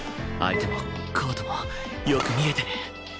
相手もコートもよく見えてる